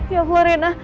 ya allah rina